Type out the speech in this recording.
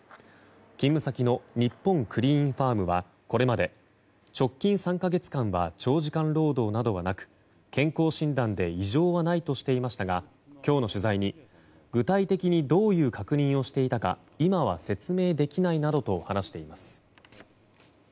勤務先の日本クリーンファームはこれまで、直近３か月間は長時間労働などはなく健康診断で異常はないとしていましたが今日の取材に、具体的にどういう確認をしていたか今は説明できないなどと話しています。